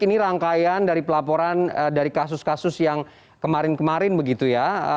ini rangkaian dari pelaporan dari kasus kasus yang kemarin kemarin begitu ya